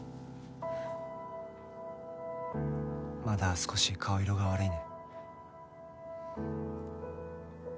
まだ少し顔色が悪いね。